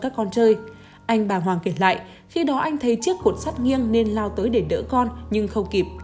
anh bà hoàng kể lại khi đó anh thấy chiếc khuẩn sắt nghiêng nên lao tới để đỡ con nhưng không kịp